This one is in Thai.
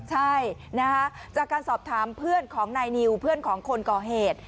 ใช่นะคะจากการสอบถามเพื่อนของนายนิวเพื่อนของคนก่อเหตุ